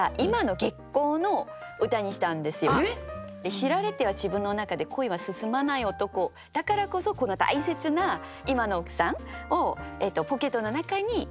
知られては自分の中で恋は進まない男だからこそ大切な今の奥さんをポケットの中に隠していったっていう。